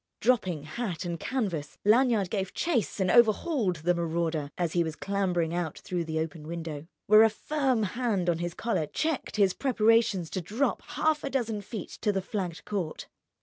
Dropping hat and canvas, Lanyard gave chase and overhauled the marauder as he was clambering out through the open window, where a firm hand on his collar checked his preparations to drop half a dozen feet to the flagged court.